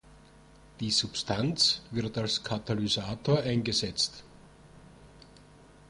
Die Substanz wird als Katalysator eingesetzt.